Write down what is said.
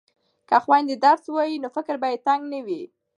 که خویندې درس ووایي نو فکر به یې تنګ نه وي.